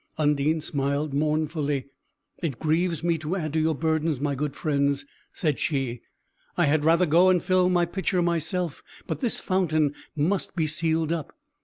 Undine smiled mournfully. "It grieves me to add to your burdens, my good friends," said she, "I had rather go and fill my pitcher myself; but this fountain must be sealed up.